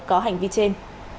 có hành vi trên